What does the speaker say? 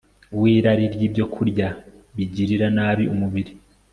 wirari ryibyokurya bigirira nabi umubiri